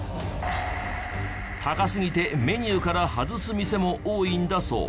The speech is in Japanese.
高すぎてメニューから外す店も多いんだそう。